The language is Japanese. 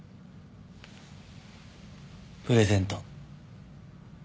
プレゼント。